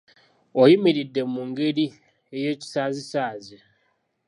Oyimiridde mungeri ey'ekisaazisaazi.